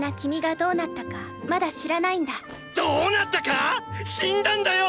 どうなったか⁉死んだんだよ！！